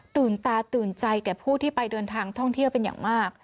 ตาตื่นใจแก่ผู้ที่ไปเดินทางท่องเที่ยวเป็นอย่างมาก